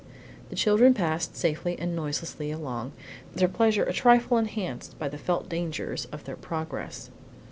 The children passed safely and noiselessly along, their pleasure a trifle enhanced by the felt dangers of their progress.